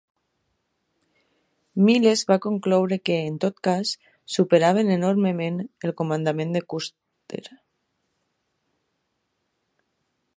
Miles va concloure que, en tot cas, superaven enormement el comandament de Custer.